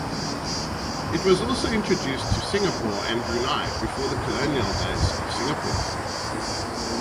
It was also introduced to Singapore and Brunei before the colonial days of Singapore.